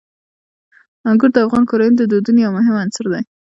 انګور د افغان کورنیو د دودونو یو مهم عنصر دی.